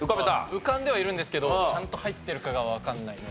浮かんではいるんですけどちゃんと入ってるかがわかんないので。